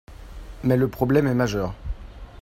mais le problème est majeur